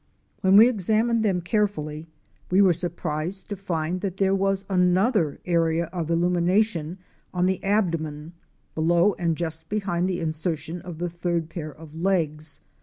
When we examined them carefully we were surprised to find that there was another area of illumination on the ab domen, below and just behind the insertion of the third pair of legs.